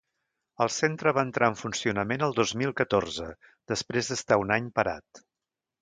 El centre va entrar en funcionament el dos mil catorze després d’estar un any parat.